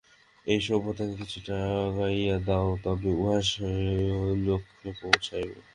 ঐ সভ্যতাকে কিছুটা আগাইয়া দাও, তবেই উহা স্বীয় লক্ষ্যে পৌঁছিবে।